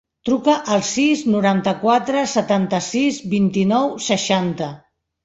Truca al sis, noranta-quatre, setanta-sis, vint-i-nou, seixanta.